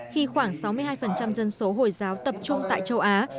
khi khoảng sáu mươi hai dân số hồi giáo tập trung tại châu á